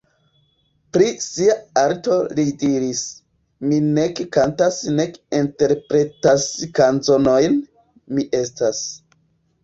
Pri sia arto li diris: "Mi nek kantas nek interpretas kanzonojn, mi estas.